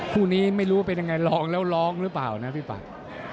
คู่นี้ไม่รู้เป็นไงรองแล้วรองรึเปล่านะพี่ปาก